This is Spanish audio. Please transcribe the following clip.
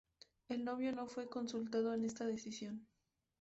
El novio no fue consultado en esta decisión.